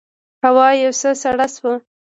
هوا یو څه سړه شوه.